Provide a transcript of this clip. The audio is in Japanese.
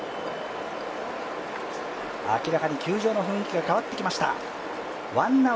明らかに球場の雰囲気が変わってきました。